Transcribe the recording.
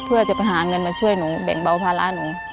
เพื่อจะไปหาเงินมาช่วยหนูแบ่งเบาภาระหนู